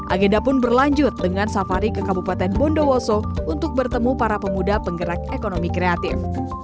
agenda pun berlanjut dengan safari ke kabupaten bondowoso untuk bertemu para pemuda penggerak ekonomi kreatif